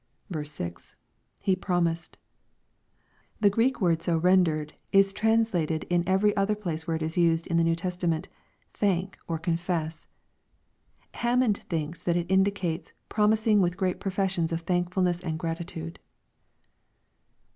6. — [He promised.] The Greek word so rendered, is translated in every other place where it is used in the New Testament, " thank," or " confess." Hammond thinks that it indicates " promising with great professions of thankfulness and gratitude."